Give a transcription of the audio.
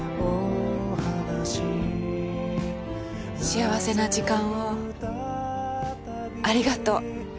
幸せな時間をありがとう。